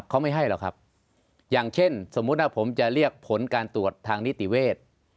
เขาไม่ให้อย่างเช่นสมมุติะผมจะเรียกผลการตรวจทางนิติเวทธ์